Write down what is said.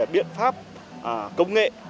biện pháp công nghệ